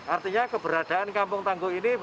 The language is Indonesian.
artinya keberadaan kampung tangguh ini